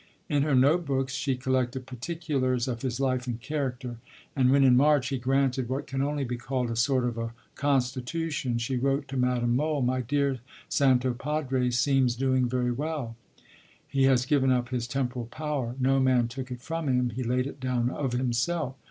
In her note books she collected particulars of his life and character; and when in March he granted what can only be called a sort of a Constitution, she wrote to Madame Mohl: "My dear Santo Padre seems doing very well. He has given up his Temporal Power. No man took it from him; he laid it down of himself.